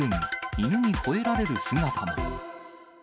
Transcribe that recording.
犬にほえられる姿も。